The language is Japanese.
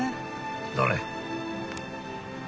どれ？